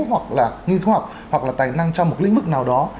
hoặc là nghiên cứu học hoặc là tài năng trong một lĩnh vực nào đó